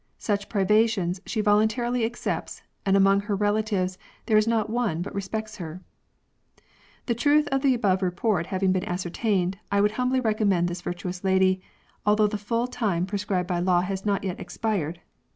Such privations she voluntarily accepts, and among her relatives there is not one but respects her, " The truth of the above report having been ascertained, I would humbly recommend this virtuous lady, although the full time pre scribed by law has not yet expired